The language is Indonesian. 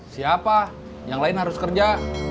siapa yang lain harus kerja